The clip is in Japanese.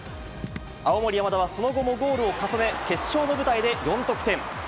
青森山田はその後もゴールを重ね、決勝の舞台で４得点。